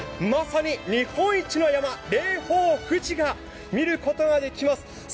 まさに日本一の山、霊峰・富士を見ることができます。